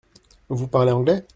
Vous parlez anglais ?